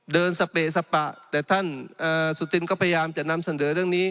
สเปสปะแต่ท่านสุธินก็พยายามจะนำเสนอเรื่องนี้